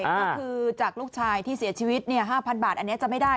ก็คือจากลูกชายที่เสียชีวิต๕๐๐บาทอันนี้จะไม่ได้